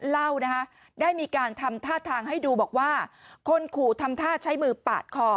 เล่านะคะได้มีการทำท่าทางให้ดูบอกว่าคนขู่ทำท่าใช้มือปาดคอ